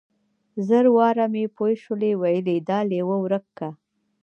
زر واره مې پوشوې ويلي دا ليوه ورک که.